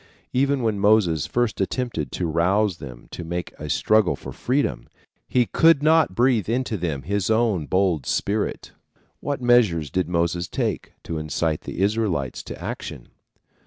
Even when Moses first attempted to rouse them to make a struggle for freedom, he could not breathe into them his own bold spirit. What measures did Moses take to incite the Israelites to action?